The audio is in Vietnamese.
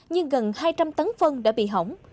nhưng gần hai trăm linh tấn phân đã bị hỏng